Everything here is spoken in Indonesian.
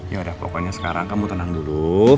yaudah pokoknya sekarang kamu tenang dulu